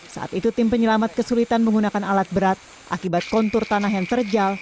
saat itu tim penyelamat kesulitan menggunakan alat berat akibat kontur tanah yang terjal